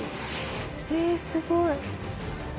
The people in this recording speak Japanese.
えすごい。